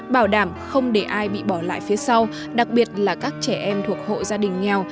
bảo đảm không để ai bị bỏ lại phía sau đặc biệt là các trẻ em thuộc hộ gia đình nghèo